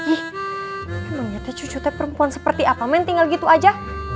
ihh emang nyatanya cucunya perempuan seperti apa men tinggal gitu aja